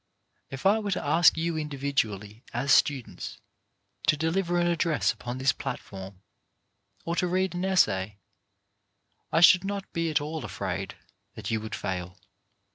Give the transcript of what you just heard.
If I were to ask you individually as students to deliver an address upon this platform, or to read an essay, I should not be at all afraid that you would fail.